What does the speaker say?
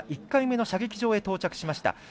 １回目の射撃場へ到着しました。